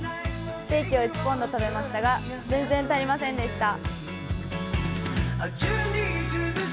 ステーキを１ポンド食べましたが全然足りませんでした。